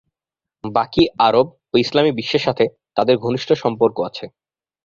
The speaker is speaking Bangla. বাকী আরব ও ইসলামী বিশ্বের সাথে তাদের ঘনিষ্ঠ সম্পর্ক আছে।